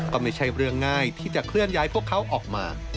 ก็ไม่ใช่เรื่องง่ายที่จะเคลื่อนย้ายพวกเขาออกมา